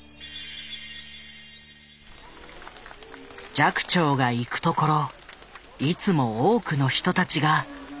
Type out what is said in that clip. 寂聴が行くところいつも多くの人たちが集まった。